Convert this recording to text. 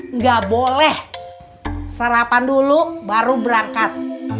nggak boleh sarapan dulu baru berangkat